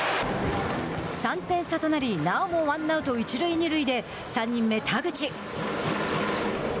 ３点差となりなおもワンアウト、一塁二塁で３人目田口。